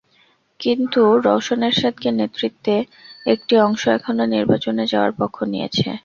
কিন্তু রওশন এরশাদের নেতৃত্বে একটি অংশ এখনো নির্বাচনে যাওয়ার পক্ষ নিয়েছে।